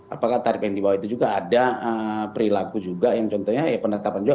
apakah tarif yang di bawah itu juga ada perilaku juga yang contohnya ya penetapan juga